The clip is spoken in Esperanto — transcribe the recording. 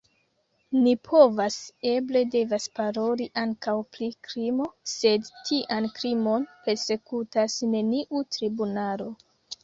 Ni povas, eble devas paroli ankaŭ pri krimo, sed tian krimon persekutas neniu tribunalo.